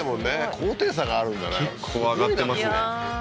高低差があるんだね